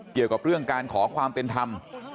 เกี่ยวกับเรื่องการขอความเป็นธรรม